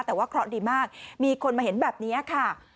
แต่ว่าเคราะห์ดีมากมีคนมาเห็นแบบนี้ค่ะ